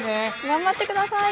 頑張ってください！